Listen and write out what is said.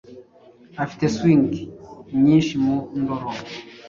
Afite swingi nyinshi mu ndoro